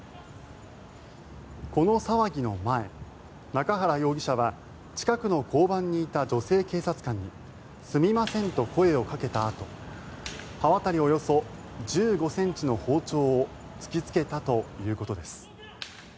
この騒ぎの前、中原容疑者は近くの交番にいた女性警察官にすみませんと声をかけたあと刃渡りおよそ１５ｃｍの包丁を突きつけたということです。